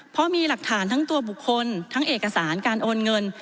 เพราะมีหลักฐานทั้งตัวบุคคลทั้งเอกสารการโอนเงิน